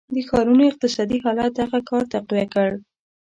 د ښارونو اقتصادي حالت دغه کار تقویه کړ.